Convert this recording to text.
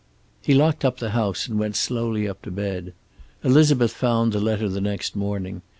He locked up the house, and went slowly up to bed. Elizabeth found the letter the next morning.